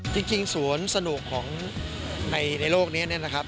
จริงสวนสนุกของในโลกนี้เนี่ยนะครับ